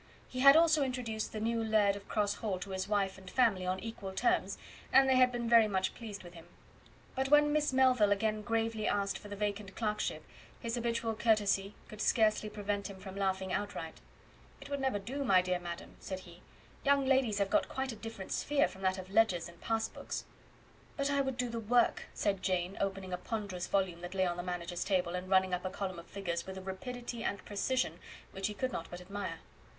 He had also introduced the new laird of Cross Hall to his wife and family on equal terms, and they had been very much pleased with him. But when Miss Melville again gravely asked for the vacant clerkship, his habitual courtesy could scarcely prevent him from laughing outright. "It would never do, my dear madam," said he; "young ladies have quite a different sphere from that of ledgers and pass books." "But I would do the work," said Jane, opening a ponderous volume that lay on the manager's table, and running up a column of figures with a rapidity and precision which he could not but admire.